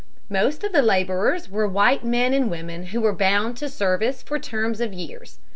Most of the laborers were white men and women who were bound to service for terms of years.